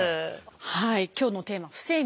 はい今日のテーマ「不整脈」。